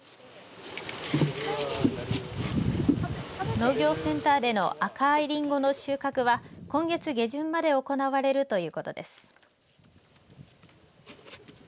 農業センターでの赤いりんごの収穫は今月下旬まで行われるということです。